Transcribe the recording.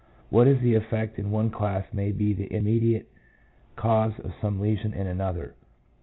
What is the effect in one class may be the immediate cause of some lesion in another.